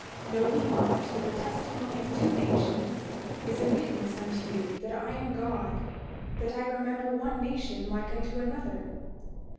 Know ye not that the testimony of two nations is a witness unto you that I am God, that I remember one nation like unto another?